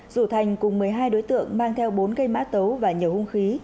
rủ thành cùng một mươi hai đối tượng mang theo bốn cây mã tấu và nhiều hung khí